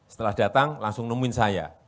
setelah datang langsung nemuin saya